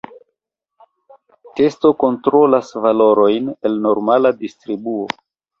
Testo kontrolas valorojn el normala distribuo.